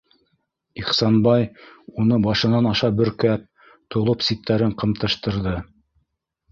Ихсанбай уны башынан аша бөркәп, толоп ситтәрен ҡымтыштырҙы: